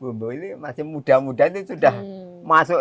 bumbu ini masih muda muda itu sudah masuk